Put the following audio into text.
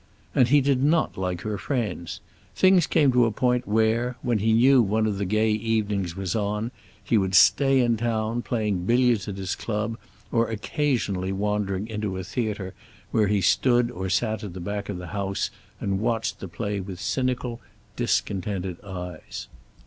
And he did not like her friends. Things came to a point where, when he knew one of the gay evenings was on, he would stay in town, playing billiards at his club, or occasionally wandering into a theater, where he stood or sat at the back of the house and watched the play with cynical, discontented eyes.